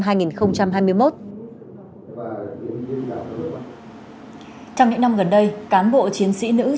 trong những năm gần đây cán bộ chiến sĩ nữ trong bắc ninh đã đạt được thẻ căn cước công dân